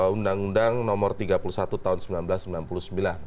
undang undang nomor tiga puluh satu tahun seribu sembilan ratus sembilan puluh sembilan